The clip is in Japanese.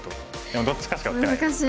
でもどっちかしか打てないですから。